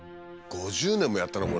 ５０年もやったの？